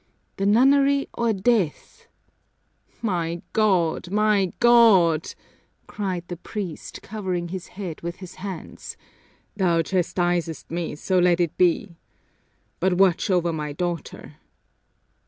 "The nunnery or death!" "My God, my God!" cried the priest, covering his head with his hands, "Thou chastisest me, so let it be! But watch over my daughter!"